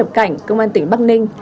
nhập cảnh công an tỉnh bắc ninh